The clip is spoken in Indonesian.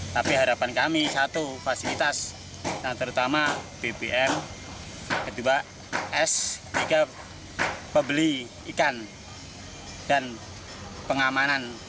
tapi harapan kami satu fasilitas terutama bbm kedua s tiga pembeli ikan dan pengamanan